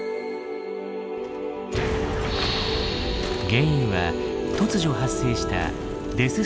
原因は突如発生したデス・